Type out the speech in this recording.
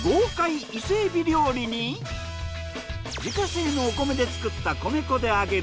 自家製のお米で作った米粉で揚げる